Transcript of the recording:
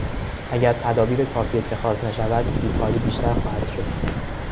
اگر تدابیر کافی اتخاذ نشود بیکاری بیشتر خواهد شد.